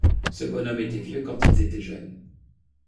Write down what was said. Ce bonhomme était vieux quand ils étaient jeunes.